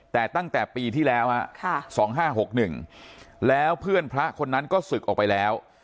แต่ตั้งแต่ปีที่แล้ว๒๕๖๑แล้วเพื่อนพระคนนั้นก็ศึกออกไปแล้ว